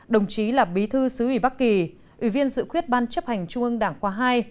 đồng chí là bí thư xứ ủy bắc kỳ ủy viên dự khuyết ban chấp hành trung ương đảng khóa hai